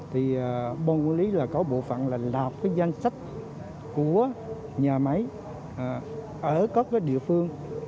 thì bộ quản lý có bộ phận là lạp cái danh sách của nhà máy ở các địa phương